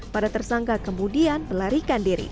para tersangka kemudian melarikan diri